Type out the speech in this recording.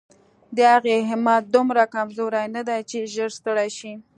د هغې همت دومره کمزوری نه دی چې ژر ستړې شي.